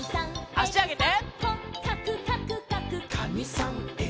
あしあげて。